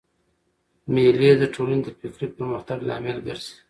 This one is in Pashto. مېلې د ټولني د فکري پرمختګ لامل ګرځي.